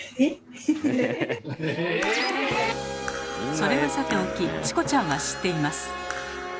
⁉それはさておきチコちゃんは知っています。